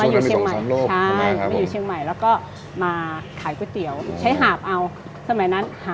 เค๋ยมาอยู่เชียงใหม่แล้วก็มาขายกุ๋ยเตี๋ยวใช้หาบเอาสมัยนั้นหา